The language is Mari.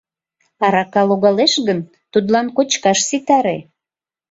Арака логалеш гын, тудлан кочкаш ситаре.